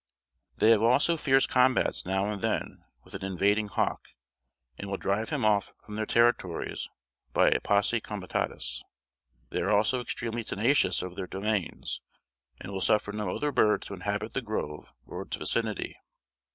They have also fierce combats now and then with an invading hawk, and will drive him off from their territories by a posse comitatus. They are also extremely tenacious of their domains, and will suffer no other bird to inhabit the grove or its vicinity.